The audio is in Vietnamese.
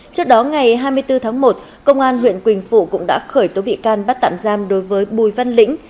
trước đó ngày hai mươi bốn tháng một công an huyện quỳnh phụ cũng đã khởi tố bị can bắt tạm giam đối với bùi văn lĩnh